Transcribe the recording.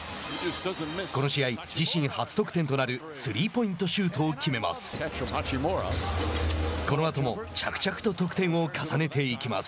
この試合、自身初得点となるスリーポイントシュートを決めます。